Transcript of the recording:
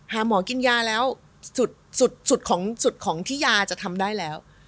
หาหมอกินยาแล้วสุดของที่ยาจะทำได้แล้ว